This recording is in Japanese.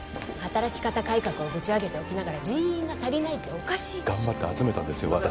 働き方改革をぶち上げておきながら人員が足りないっておかしいでしょ頑張って集めたんですよ